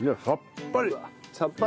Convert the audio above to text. さっぱり。